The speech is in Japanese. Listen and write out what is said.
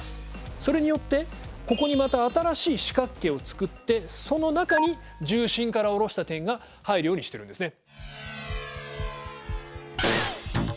それによってここにまた新しい四角形を作ってその中に重心から下ろした点が入るようにしてるんですね。